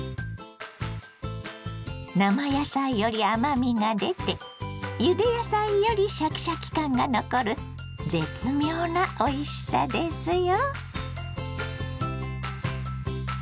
生野菜より甘みが出てゆで野菜よりシャキシャキ感が残る絶妙なおいしさですよ。